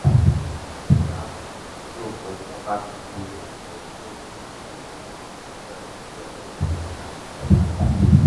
辖区以六合开发区之名列为六合区的一个类似乡级单位。